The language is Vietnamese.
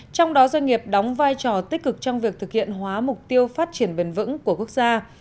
trong đó doanh nghiệp đóng vai trò tích cực trong việc thực hiện hóa mục tiêu phát triển bền vững của quốc gia